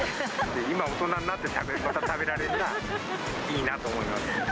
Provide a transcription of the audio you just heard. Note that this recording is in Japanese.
今、大人になってまた食べられるのは、いいなと思います。